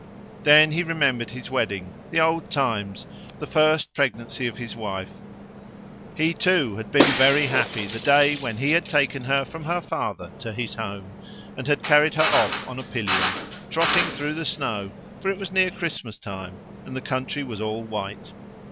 Then he remembered his wedding, the old times, the first pregnancy of his wife; he, too, had been very happy the day when he had taken her from her father to his home, and had carried her off on a pillion, trotting through the snow, for it was near Christmas time, and the country was all white.